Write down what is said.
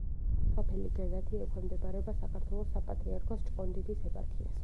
სოფელი გეზათი ექვემდებარება საქართველოს საპატრიარქოს ჭყონდიდის ეპარქიას.